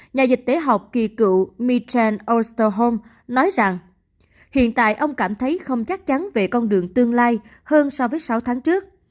nhà dịch tế học kỳ cựu michael osterholm nói rằng hiện tại ông cảm thấy không chắc chắn về con đường tương lai hơn so với sáu tháng trước